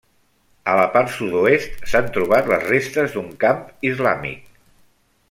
A la part sud-oest s'han trobat les restes d'un camp islàmic.